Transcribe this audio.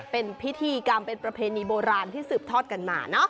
เป็นพิธีกรรมเป็นประเพณีโบราณที่สืบทอดกันมาเนอะ